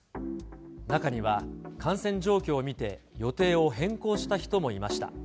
中には、感染状況を見て、予定を変更した人もいました。